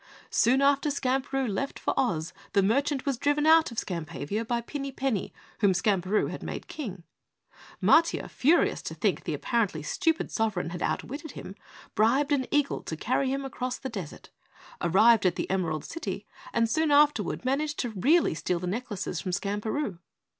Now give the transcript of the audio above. "Soon after Skamperoo left for Oz, the merchant was driven out of Skampavia by Pinny Penny, whom Skamperoo had made King. Matiah, furious to think the apparently stupid sovereign had outwitted him, bribed an eagle to carry him across the desert, arrived at the Emerald City and soon afterward managed to really steal the necklaces from Skamperoo.